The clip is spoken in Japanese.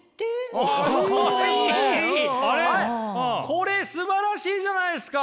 これすばらしいじゃないですか！